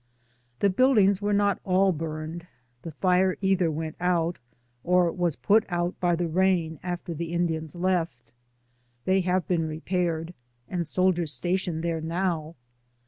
The buildings wei*e not all burned, the fire either went out, or was put out by the rain, after the Indians left. They have been repaired, and soldiers stationed there now.